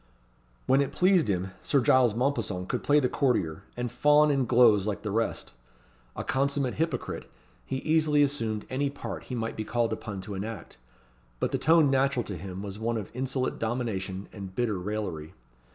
When it pleased him, Sir Giles Mompesson could play the courtier, and fawn and gloze like the rest. A consummate hypocrite, he easily assumed any part he might be called upon to enact; but the tone natural to him was one of insolent domination and bitter raillery.